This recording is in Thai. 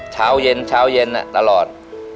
เช้าเย็นเช้าเย็นตลอด